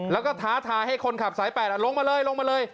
แล้วก็ท้าทายให้คนขับสาย๘ลงมาเลยลงมาเลย